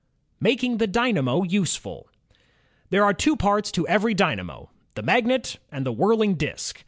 . Making the Dynamo Useful There are two parts to every dynamo, the magnet and the whirling disk.